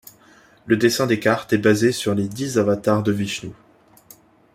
Le dessin des cartes est basé sur les dix avatars de Vishnou.